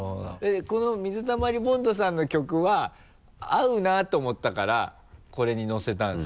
この水溜りボンドさんの曲は合うなと思ったからこれに乗せたんですか？